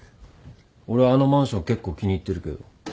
俺あのマンション結構気に入ってるけど。